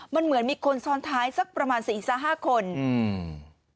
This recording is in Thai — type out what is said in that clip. มันเหมือนมีคนซ้อนท้ายสักประมาณสี่สามห้าคนอืม